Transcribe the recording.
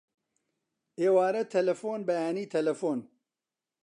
ئێوارە تەلەفۆن، بەیانی تەلەفۆن